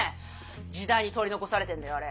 時代に取り残されてんだよあれ。